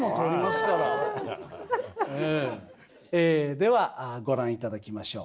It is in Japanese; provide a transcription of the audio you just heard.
ではご覧頂きましょう。